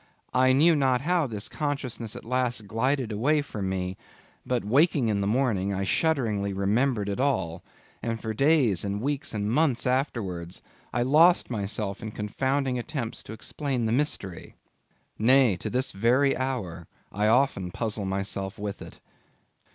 I knew not how this consciousness at last glided away from me; but waking in the morning, I shudderingly remembered it all, and for days and weeks and months afterwards I lost myself in confounding attempts to explain the mystery. Nay, to this very hour, I often puzzle myself with it.